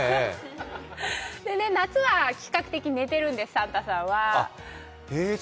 夏は比較的寝てるんです、サンタさんは。